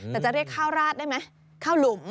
แต่จะเรียกข้าวราดได้ไหมข้าวหลุม